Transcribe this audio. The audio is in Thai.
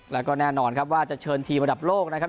แล้วก็แน่นอนครับว่าจะเชิญทีมระดับโลกนะครับ